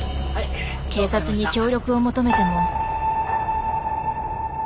警察に協力を求めても。